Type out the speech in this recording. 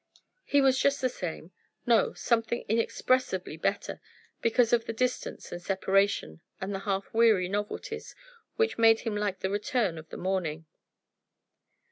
He was just the same no, something inexpressibly better, because of the distance and separation, and the half weary novelties, which made him like the return of the morning.